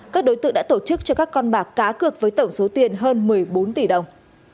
các đối tượng đã tổ chức cho các con bạc cá cược với tổng số tiền hơn một mươi bốn tỷ đồng